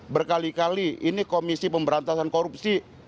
berkali kali ini komisi pemberantasan korupsi